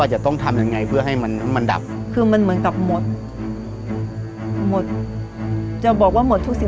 จะบอกว่าหมดทุกสิ่งมากดูงาน